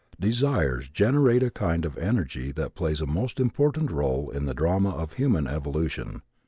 Desires generate a kind of energy that plays a most important role in the drama of human evolution.